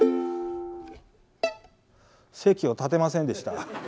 席を立てませんでした。